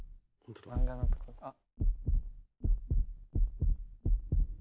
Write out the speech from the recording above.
漫画のとこあっ。